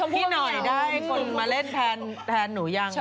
ได้คนมาเล่นแทนหนูยัง